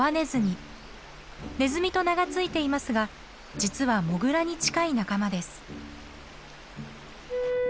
ネズミと名が付いていますが実はモグラに近い仲間です。